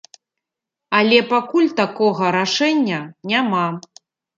Але пакуль такога рашэння няма.